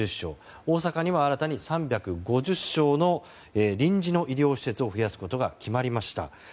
大阪には新たに３５０床の臨時の医療施設を増やすことが決まりました。